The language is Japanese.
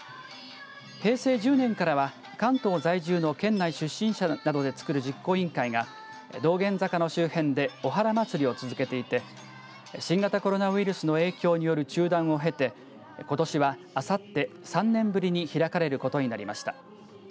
平成１０年からは関東在住の県内出身者などでつくる実行委員会が道玄坂の周辺でおはら祭を続けていて新型コロナウイルスによる中断を経てことしは、あさって３年ぶりに開かれることになりました。